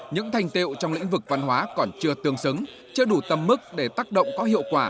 những thành tiệu trong lĩnh vực văn hóa còn chưa tương xứng chưa đủ tầm mức để tác động có hiệu quả